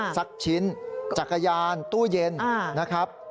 สักชิ้นจักรยานตู้เย็นนะครับ